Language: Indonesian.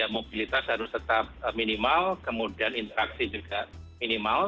mobilitas harus tetap minimal kemudian interaksi juga minimal